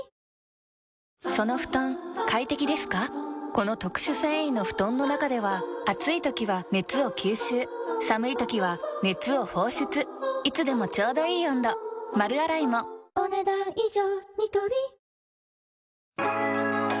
この特殊繊維の布団の中では暑い時は熱を吸収寒い時は熱を放出いつでもちょうどいい温度丸洗いもお、ねだん以上。